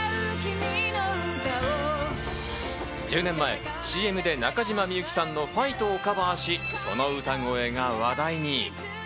１０年前、ＣＭで中島みゆきさんの『ファイト！』をカバーし、その歌声が話題に。